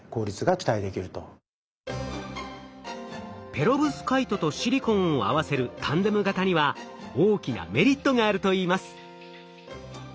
ペロブスカイトとシリコンを合わせるタンデム型には大きなメリットがあるといいます。